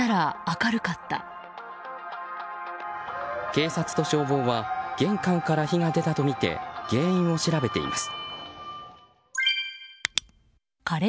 警察と消防は玄関から火が出たとみて原因を調べています。